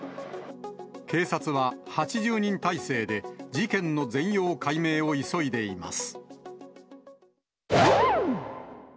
警察は、８０人態勢で事件の全容解明を急いでいます。